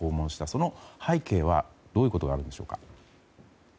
その背景はどういうことがあるんでしょうか。